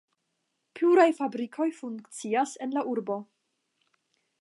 Pluraj fabrikoj funkcias en la urbo.